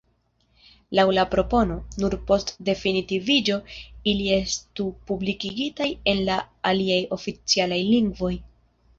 Laŭ la propono, nur post definitiviĝo ili estu publikigitaj en la aliaj oficialaj lingvoj.